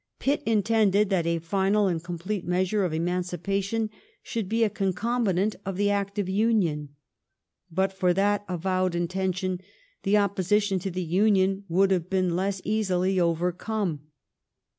Pitt intended that a final and complete measure of emancipa tion should be a concomitant of the Act of Union. But for that avowed intention the opposition to the Union would have been less easily overcome.